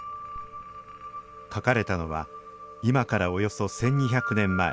書かれたのは今からおよそ１２００年前。